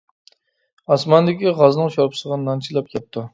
ئاسماندىكى غازنىڭ شورپىسىغا نان چىلاپ يەپتۇ.